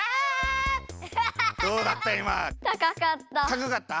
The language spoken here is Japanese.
たかかった。